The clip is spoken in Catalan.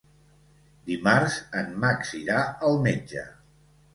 Dimarts en Max irà al metge.